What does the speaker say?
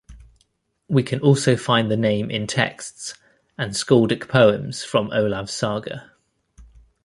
We can also find the name in texts and scaldic poems from Olav's saga.